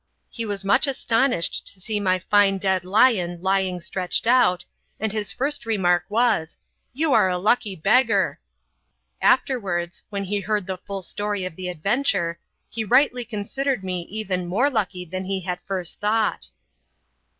He was much astonished to see my fine dead lion lying stretched out, and his first remark was, "You are a lucky beggar!" Afterwards, when he heard the full story of the adventure, he rightly considered me even more lucky than he had first thought.